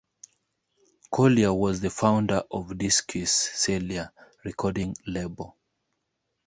Collier was the founder of the "Disques Cellier" recording label.